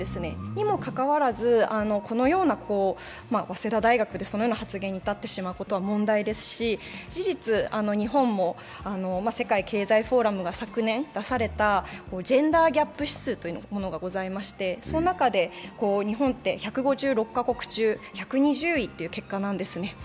にもかかわらず、早稲田大学でそのような発言に至ってしまうのは問題ですし、事実、日本も世界経済フォーラムが昨年出されたジェンダーギャップ指数というものがございましてその中で、日本って１５６カ国中１２０位という結果なんですね。